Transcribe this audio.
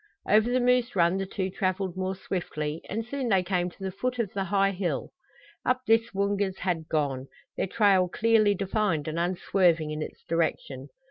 Over the moose run the two traveled more swiftly and soon they came to the foot of the high hill. Up this the Woongas had gone, their trail clearly defined and unswerving in its direction.